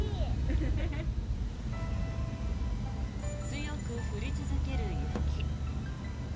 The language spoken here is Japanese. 強く降り続ける雪。